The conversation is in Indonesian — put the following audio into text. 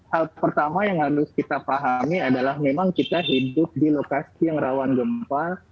hal pertama yang harus kita pahami adalah memang kita hidup di lokasi yang rawan gempa